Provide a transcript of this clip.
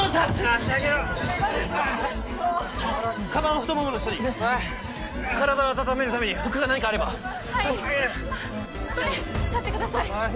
足上げろかばんを太ももの下にはい体を温めるために服か何かあればはいこれ使ってください